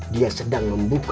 dia selalu menutup pintunya